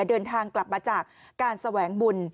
เดินทางกลับมาจากการแสวงบุญ